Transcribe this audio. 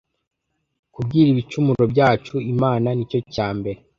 kubwira ibicumuro byacu imana nicyo cyambere